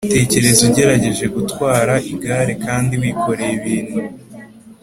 Tekereza ugerageje gutwara igare kandi wikoreye ibintu